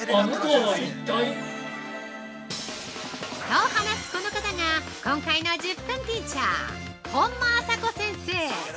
◆と、話すこの方が今回の１０分ティーチャー本間朝子先生。